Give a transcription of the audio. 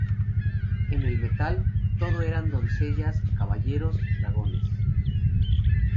En el metal todo era doncellas, caballeros, dragones.